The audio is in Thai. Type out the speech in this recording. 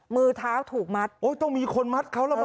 มือเท้าถูกมัดโอ้ยต้องมีคนมัดเขาแล้วมั